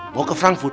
mau ke frankfurt